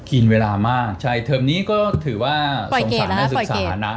กินเวลามากเทอมนี้ก็ถือว่าทรงสารมาศึกษาปล่อยเกรดแล้วนะ